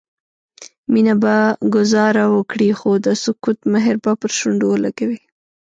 مينه به ګذاره وکړي خو د سکوت مهر به پر شونډو ولګوي